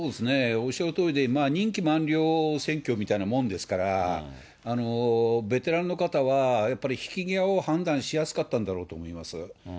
おっしゃるとおりで、任期満了選挙みたいなもんですから、ベテランの方は、やっぱり引き際を判断しやすかったんだろうと思います。